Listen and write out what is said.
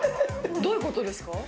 どういうことですか？